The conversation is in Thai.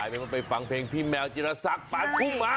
อาจมันไปฟังเพลงพี่แมวจิรษักรปานคุ้มหมา